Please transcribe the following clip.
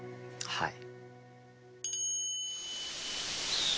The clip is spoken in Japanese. はい。